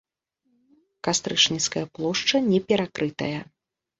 Кастрычніцкая плошча не перакрытая.